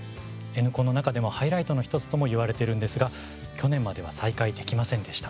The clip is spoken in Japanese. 「Ｎコン」の中でもハイライトの１つともいわれているんですが去年までは再開できませんでした。